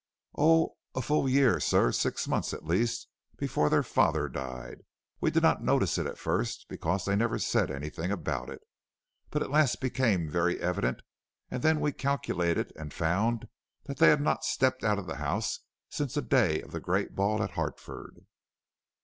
"Oh, a full year, sir; six months at least before their father died. We did not notice it at first, because they never said anything about it, but at last it became very evident, and then we calculated and found they had not stepped out of the house since the day of the great ball at Hartford."